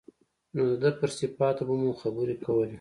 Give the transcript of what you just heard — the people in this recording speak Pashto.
نو د ده پر صفاتو به مو خبرې کولې.